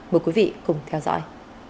mời quý vị cùng theo dõi